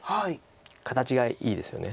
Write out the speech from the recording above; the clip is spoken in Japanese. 形がいいですよね。